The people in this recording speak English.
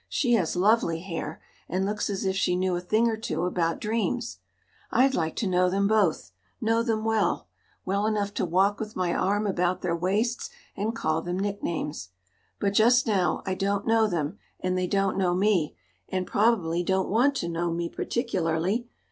She has lovely hair, and looks as if she knew a thing or two about dreams. I'd like to know them both know them well well enough to walk with my arm about their waists, and call them nicknames. But just now I don't know them and they don't know me, and probably don't want to know me particularly.